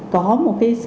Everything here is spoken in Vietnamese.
có một cái sự